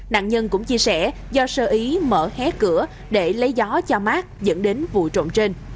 nạn nhân cũng chia sẻ do sơ ý mở hé cửa để lấy gió cho mát dẫn đến vụ trộm trên